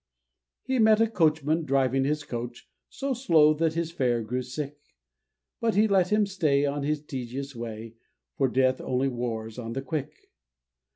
He met a coachman driving his coach So slow, that his fare grew sick; But he let him stray on his tedious way, For Death only wars on the quick.